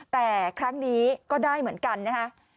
แต่ครั้งนี้ก็ได้เหมือนกันนะฮะ